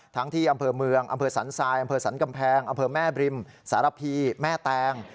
ที่อำเภอเมืองอำเภอสันทรายอำเภอสันกำแพงอำเภอแม่บริมสารพีแม่แตง